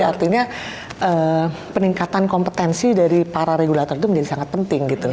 artinya peningkatan kompetensi dari para regulator itu menjadi sangat penting gitu